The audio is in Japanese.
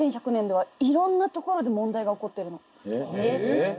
えっ。